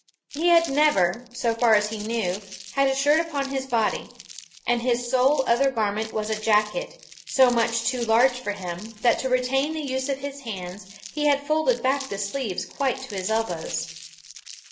He had never, so far as he knew, had a shirt upon his body; and his sole other garment was a jacket, so much too large for him, that to retain the use of his hands he had folded back the sleeves quite to his elbows.